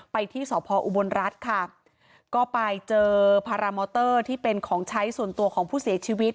ไปที่สพออุบลรัฐค่ะก็ไปเจอพารามอเตอร์ที่เป็นของใช้ส่วนตัวของผู้เสียชีวิต